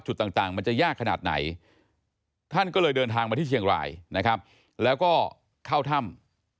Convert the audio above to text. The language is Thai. ต่างมันจะยากขนาดไหนท่านก็เลยเดินทางมาที่เชียงรายนะครับแล้วก็เข้าถ้ำ